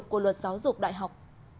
của luật giáo dục đại học